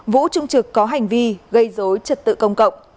vũ trung trực có hành vi gây dối trật tự công cộng